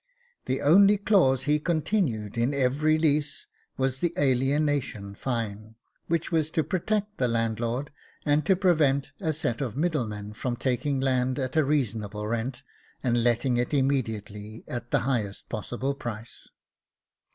The only clause he continued in every lease was the alienation fine, which was to protect the landlord and to prevent a set of middlemen from taking land at a reasonable rent, and letting it immediately at the highest possible price.